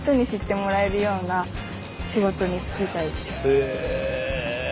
へえ！